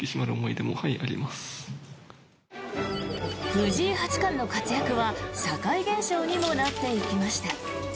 藤井八冠の活躍は社会現象にもなっていきました。